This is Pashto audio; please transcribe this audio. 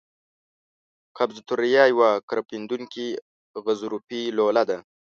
قصبة الریه یوه کرپندوکي غضروفي لوله ده.